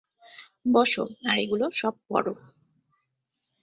বসো আর এগুলো সব পড়ো।